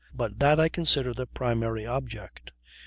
But that I consider the primary object.